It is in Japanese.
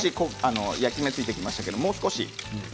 焼き目がついてきましたけどもう少し。